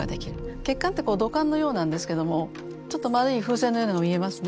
血管って土管のようなんですけどもちょっと丸い風船のようなのが見えますね。